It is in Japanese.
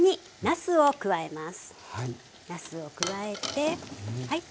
なすを加えてはい。